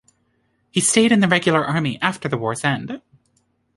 He stayed in the regular army after the war's end.